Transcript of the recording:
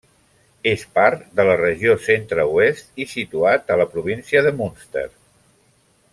És part de la Regió Centre-Oest i situat a la província de Munster.